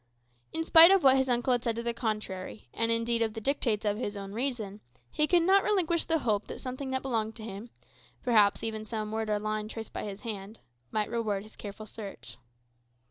In spite of what his uncle had said to the contrary, and indeed of the dictates of his own reason, he could not relinquish the hope that something which belonged to him perhaps even some word or line traced by his hand might reward his careful search.